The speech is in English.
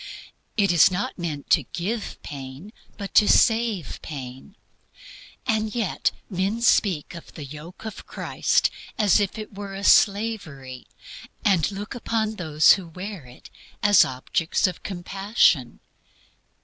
It is not meant to give pain, but to save pain. And yet men speak of the yoke of Christ as if it were slavery, and look upon those who wear it as objects of compassion.